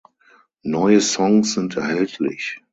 Neue Songs sind erhältlich.